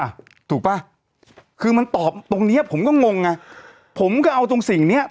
ถูกป่ะคือมันตอบตรงเนี้ยผมก็งงไงผมก็เอาตรงสิ่งเนี้ย